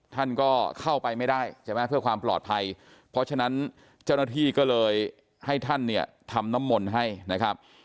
ท่านก็เข้าไปไม่ได้ใช่ไหมเพื่อความปลอดภัยเพราะฉะนั้นเจ้าหน้าที่ก็เลยให้ท่านเนี่ยทำน้ำมนต์ให้นะครับ